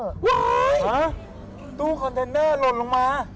ตู้คอนเทนเนอร์หล่นลงมา